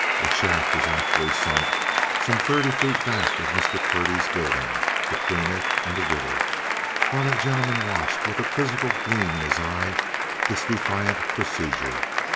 A shaft was actually sunk some thirty feet back of Mr. Purdy's building—between it and the river—while that gentleman watched with a quizzical gleam in his eye this defiant procedure.